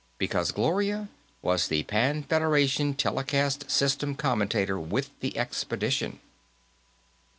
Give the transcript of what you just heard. because Gloria was the Pan Federation Telecast System commentator with the expedition.